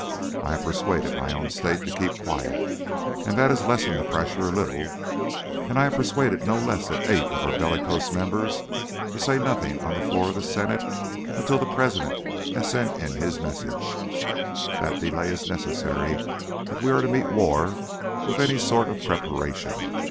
I have persuaded my own State to keep quiet, and that has lessened the pressure a little; and I have persuaded no less than eight of our bellicose members to say nothing on the floor of the Senate until the President has sent in his message, that delay is necessary if we are to meet war with any sort of preparation.